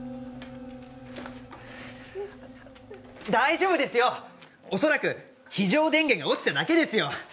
大丈夫ですよおそらく非常電源が落ちただけですよ